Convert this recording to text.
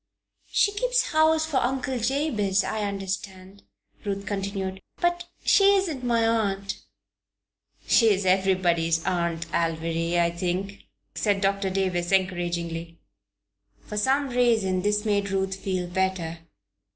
"She keeps house for Uncle Jabez, I understand," Ruth continued. "But she isn't my aunt." "She is everybody's Aunt Alviry, I think," said Doctor Davison, encouragingly. For some reason this made Ruth feel better.